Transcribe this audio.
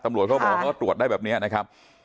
ตำรวจเขาบอกว่าตรวจได้แบบนี้นะครับ